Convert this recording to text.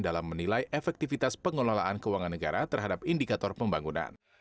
dalam menilai efektivitas pengelolaan keuangan negara terhadap indikator pembangunan